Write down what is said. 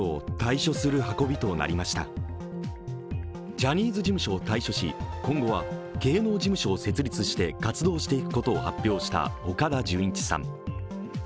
ジャニーズ事務所を退所し今後は芸能事務所を設立して活動していくことを発表した岡田准一さん。